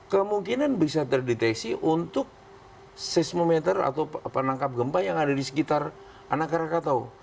kemungkinan bisa terdeteksi untuk seismometer atau penangkap gempa yang ada di sekitar anak krakatau